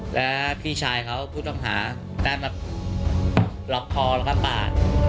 แล้วพี่ชายเขาก็พูดต้องหาได้มาก่อเหตุปาดคอนักน้ำ